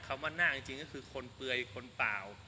คำว่านาคจริงก็คือคนเปลือยคนเปล่า